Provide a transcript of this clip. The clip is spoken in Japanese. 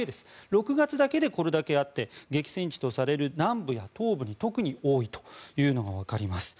６月だけでこれだけあって激戦地とされる南部や東部に特に多いというのがわかります。